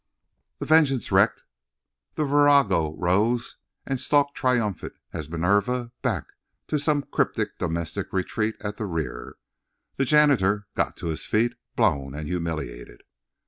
Her vengeance wreaked, the virago rose and stalked triumphant as Minerva, back to some cryptic domestic retreat at the rear. The janitor got to his feet, blown and humiliated.